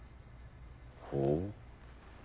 ほう。